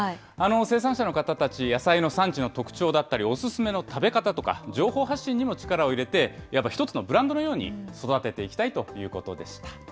生産者の方たち、野菜の産地の特徴だったり、お勧めの食べ方とか、情報発信にも力を入れて、いわば一つのブランドのように育てていきたいということです。